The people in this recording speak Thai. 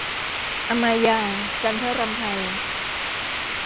อมาญาส์ - จันทรำไพ